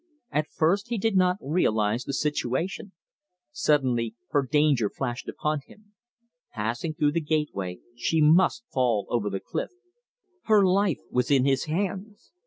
At first he did not realise the situation. Suddenly her danger flashed upon him. Passing through the gateway, she must fall over the cliff. Her life was in his hands.